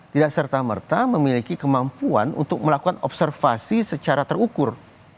tidak serta merta memiliki kemampuan untuk melakukan observasi secara terukur